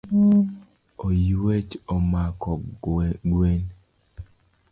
Oyuech omako gwen.